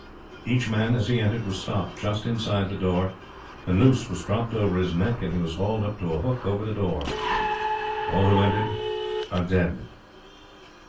Each man as he entered was stopped just inside the door. A noose was dropped over his neck, and he was hauled up to a hook over the door. All who entered are dead."